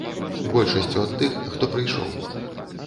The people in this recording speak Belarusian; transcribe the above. Большасцю ад тых, хто прыйшоў.